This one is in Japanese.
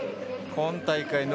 今大会